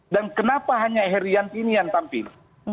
dan kenapa hanya heriantini yang tampil